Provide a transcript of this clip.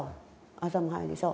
朝も早いでしょ。